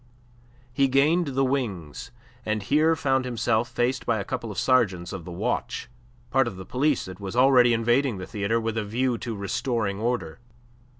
He gained the wings, and here found himself faced by a couple of sergeants of the watch, part of the police that was already invading the theatre with a view to restoring order.